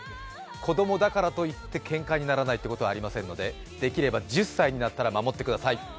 子供だからといってけんかにならないということはないので、できれば１０歳になったら守ってください。